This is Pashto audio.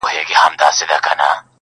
• هره زرکه زما آواز نه سی لرلای -